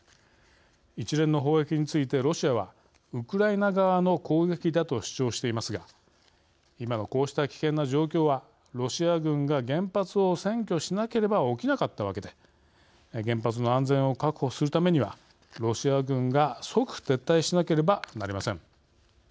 一連の砲撃についてロシアはウクライナ側の攻撃だと主張していますが今のこうした危険な状況はロシア軍が原発を占拠しなければ起きなかったわけで原発の安全を確保するためにはロシア軍が即撤退しなければなりません。